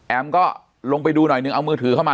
ก็ลงไปดูหน่อยนึงเอามือถือเข้ามา